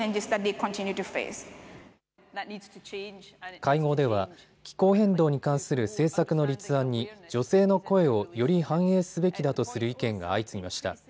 会合では気候変動に関する政策の立案に女性の声をより反映すべきだとする意見が相次ぎました。